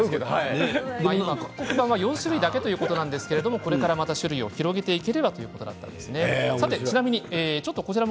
復刻版は４種類だけということですが、これからまた種類を広げていければということでした。